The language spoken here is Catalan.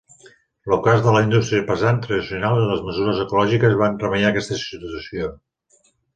L'ocàs de la indústria pesant tradicional i les mesures ecològiques van remeiar aquesta situació.